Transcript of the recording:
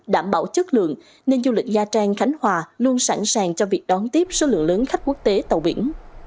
đảm bảo chất lượng nên du lịch nha trang khánh hòa luôn sẵn sàng cho việc đón tiếp số lượng lớn khách quốc tế tàu biển